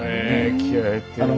気合い入ってる。